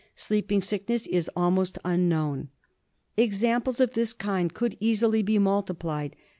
Sleeping Sickness is almost unknown. Examples of this kind could easily be multiplied.